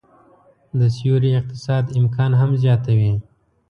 د سیوري اقتصاد امکان هم زياتوي